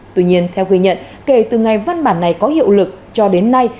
tuy nhiên theo ghi nhận kể từ ngày văn bản này có hiệu lực cho đến nay